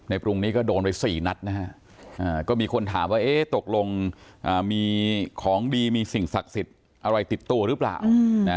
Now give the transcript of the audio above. ปรุงนี้ก็โดนไป๔นัดนะฮะก็มีคนถามว่าเอ๊ะตกลงมีของดีมีสิ่งศักดิ์สิทธิ์อะไรติดตัวหรือเปล่า